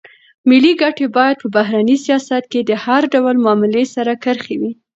ملي ګټې باید په بهرني سیاست کې د هر ډول معاملې سرې کرښې وي.